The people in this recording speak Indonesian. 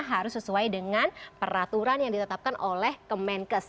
harus sesuai dengan peraturan yang ditetapkan oleh kemenkes